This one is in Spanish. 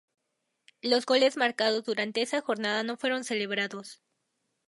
Los goles marcados durante esa jornada no fueron celebrados.